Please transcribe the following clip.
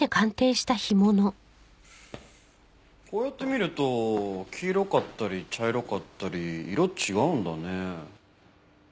こうやって見ると黄色かったり茶色かったり色違うんだね。